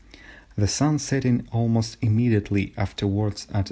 the Sun setting almost immediately afterwards at 7.